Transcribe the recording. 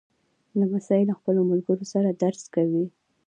لمسی له خپلو ملګرو سره درس کوي.